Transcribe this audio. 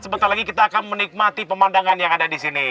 sebentar lagi kita akan menikmati pemandangan yang ada di sini